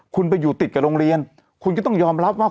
คุณไปอยู่ติดกับโรงเรียนคุณก็ต้องยอมรับว่า